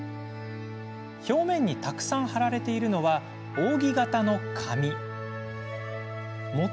表面にたくさん貼られているのは扇形の紙です。